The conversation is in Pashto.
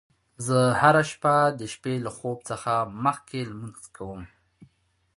زه هره ورځ د شپې له خوب څخه مخکې لمونځ کوم